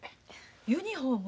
ユニフォーム？